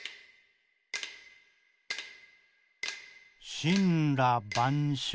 「しんらばんしょう」。